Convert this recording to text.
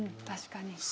確かに。